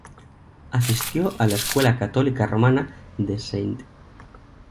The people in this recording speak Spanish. Asistió a la Escuela Católica Romana de St.